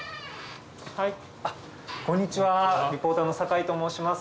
こんにちはリポーターの酒井と申します。